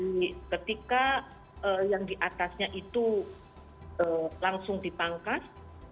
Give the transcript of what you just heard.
jadi ketika yang diatasnya itu langsung dipangkas